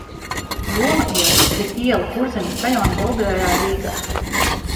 Loma iela ir iela Kurzemes rajona Bolderājā, Rīgā.